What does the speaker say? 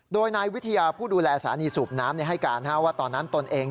โดยนายวิทยาผู้ดูแลสถานีสูบน้ำให้การว่าตอนนั้นตนเอง